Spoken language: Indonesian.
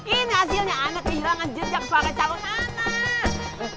ini hasilnya anak kehilangan jejak suara calon anak